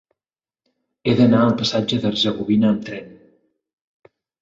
He d'anar al passatge d'Hercegovina amb tren.